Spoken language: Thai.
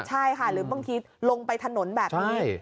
ใช่ค่ะหรือบางทีลงไปถนนแบบนี้